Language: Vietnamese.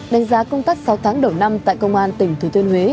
đánh giá công tác sáu tháng đầu năm tại công an tỉnh thứ tuyên huế